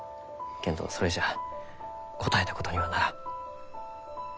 けんどそれじゃ応えたことにはならん。